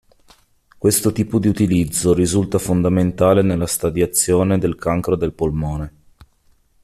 Questo tipo di utilizzo risulta fondamentale nella stadiazione del cancro del polmone.